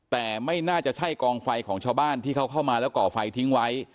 แต่ไม่น่าจะใช่กองไฟของชาวบ้านที่เขาเข้ามาแล้วก่อไฟทิ้งไว้